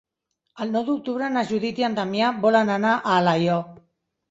El nou d'octubre na Judit i en Damià volen anar a Alaior.